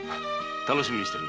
楽しみにしている。